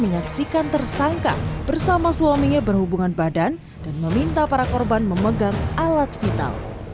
menyaksikan tersangka bersama suaminya berhubungan badan dan meminta para korban memegang alat vital